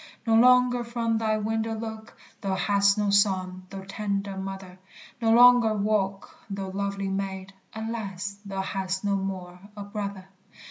No longer from thy window look, Thou hast no son, thou tender mother! No longer walk, thou lovely maid; Alas, thou hast no more a brother!